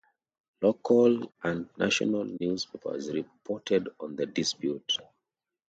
Local and national newspapers reported on the dispute.